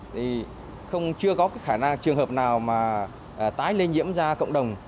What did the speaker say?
thì không chưa có cái khả năng trường hợp nào mà tái lây nhiễm ra cộng đồng